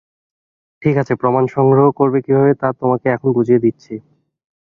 ঠিক আছে, প্রমাণ সংগ্রহ করবে কীভাবে তা তোমাকে এখন বুঝিয়ে দিচ্ছি।